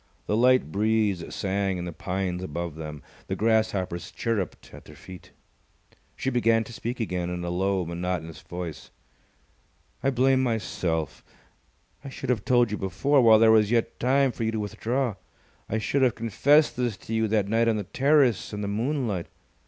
The light breeze sang in the pines above them. The grasshoppers chirrupped at their feet. She began to speak again in a low, monotonous voice. "I blame myself! I should have told you before, while there was yet time for you to withdraw. I should have confessed this to you that night on the terrace in the moonlight.